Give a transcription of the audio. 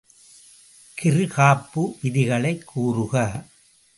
கிர்காப்பு விதிகளைக் கூறுக.